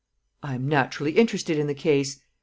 "I am naturally interested in the case."